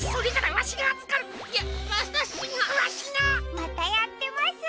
またやってます。